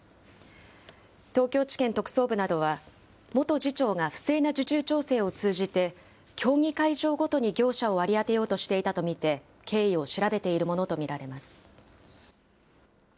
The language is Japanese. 東京地検特捜部などは、元次長が不正な受注調整を通じて競技会場ごとに業者を割り当てようとしていたと見て、経緯を調べているものと見られます。